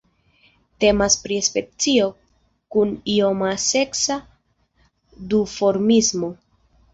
Temas pri specio kun ioma seksa duformismo.